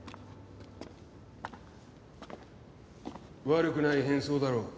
悪くない変装だろう？